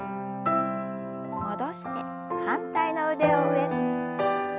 戻して反対の腕を上。